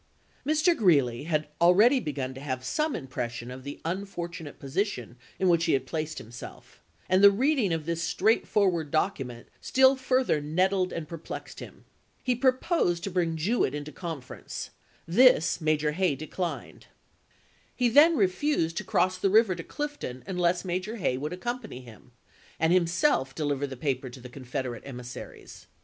Mr. Greeley had already begun to have some im pression of the unfortunate position in which he had placed himself, and the reading of this straight forward document still further nettled and per plexed him. He proposed to bring Jewett into conference; this Major Hay declined. He then HORACE GREELEY HOEACE GREELEY'S PEACE MISSION 193 refused to cross the river to Clifton unless Major chap.viil Hay would accompany him, and himself deliver the paper to the Confederate emissaries.